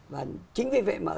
và chính vì vậy mà